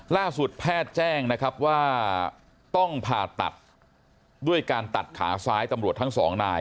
ล่าสุดแพทย์แจ้งนะครับว่าต้องผ่าตัดด้วยการตัดขาซ้ายตำรวจทั้งสองนาย